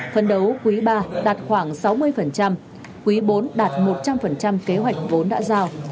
phấn đấu quý iii đạt khoảng sáu mươi quý iv đạt một trăm linh kế hoạch vốn đã giao